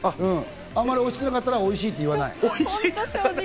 あんまりおいしくなかったら、おいしいって言わない。